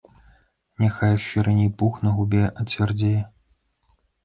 Няхай яшчэ раней пух на губе ацвярдзее.